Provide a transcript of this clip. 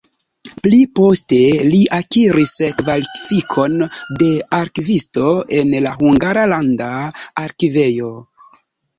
Pli poste li akiris kvalifikon de arkivisto en la Hungara Landa Arkivejo.